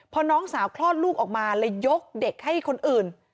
พอน้องสาวคลอดลูกออกมาเลยยกเด็กให้คนอื่น